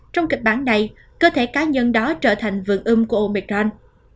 trong kịch bản này cơ thể cá nhân đó trở thành vườn ươm của omicron